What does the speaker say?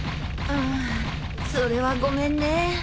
うんそれはごめんね。